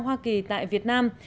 hoa kỳ tại việt nam